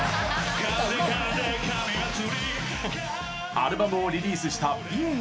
アルバムをリリースした美炎‐ＢＩＥＮ